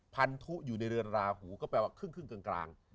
พันธุอยู่ในเรือนราหูก็แปลว่าครึ่งกลาง